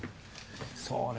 そうね